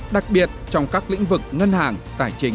đặc biệt trong các lĩnh vực ngân hàng tài chính